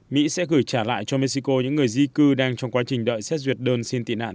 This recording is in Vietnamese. mỹ sẽ gửi trả lại cho mexico những người di cư đang trong quá trình đợi xét duyệt đơn xin tị nạn